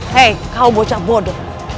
hai kau bocah bodoh